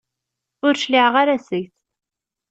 Ur cliɛeɣ ara seg-s.